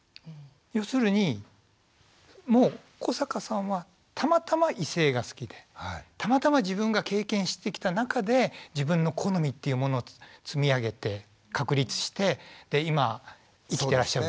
要するにもう古坂さんはたまたま異性が好きでたまたま自分が経験してきた中で自分の好みっていうものを積み上げて確立してで今生きてらっしゃるんです。